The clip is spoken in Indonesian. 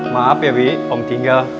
maaf ya bi om tinggal